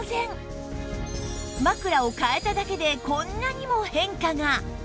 枕を替えただけでこんなにも変化が